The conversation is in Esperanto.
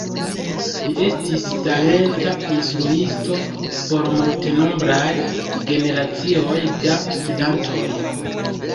Li estis talenta instruisto por multenombraj generacioj da studantoj.